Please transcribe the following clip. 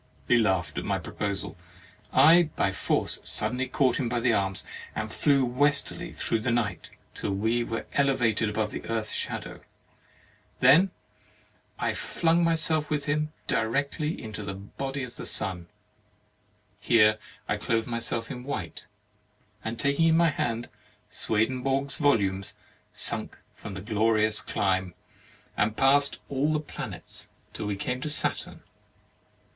He laughed at my proposal; but I by force suddenly caught him in my arms, and flew Westerly through the night, till we were elevated above the earth's shadow; then I flung myself with him directly into the body of the sun; here I clothed myself in white, and taking in my hand Swedenborg*s volumes, sunk from the glorious clime, and passed all the planets till we came to Saturn.